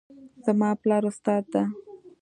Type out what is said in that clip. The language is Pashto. زما پلار استاد ده